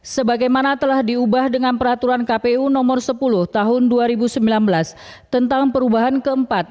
sebagaimana telah diubah dengan peraturan kpu nomor sepuluh tahun dua ribu sembilan belas tentang perubahan keempat